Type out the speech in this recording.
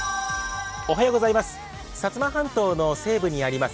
薩摩半島の西部にあります